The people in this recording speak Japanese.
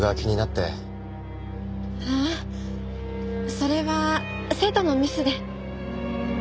ああそれは生徒のミスで。